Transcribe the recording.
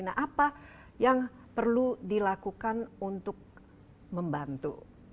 nah apa yang perlu dilakukan untuk membantu